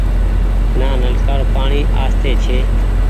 نآ نلڪآ رو پآڻيٚ آستي ڇي ۔